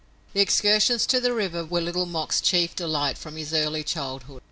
The excursions to the river were Little Mok's chief delight from his early childhood.